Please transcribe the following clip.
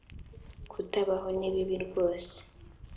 kutabaho ni bibi rwose.